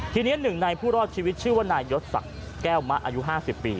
ทีนี้๑นายผู้รอดชีวิตชื่อว่านายยศสักแก้วมะอายุ๕๐ปี